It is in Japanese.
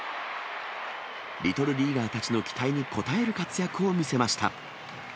リトルリーガーたちの期待に応える活躍を見せました。